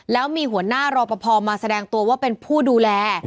แล้วมีหัวหน้ารอปภมาแสดงตัวว่าเป็นผู้ดูแล